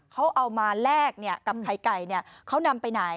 เขาเอามาแลกกับไข่ไก่เขานำไปไหน